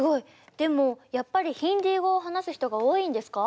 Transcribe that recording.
でもやっぱりヒンディー語を話す人が多いんですか？